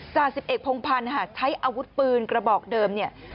จ่าสิบเอกพงพันธ์ใช้อาวุธปืนกระบอกเดิมเนี่ย